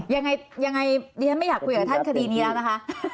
ยังไงดิฉันไม่อยากคุยกับท่านคดีนี้แล้วนะคะ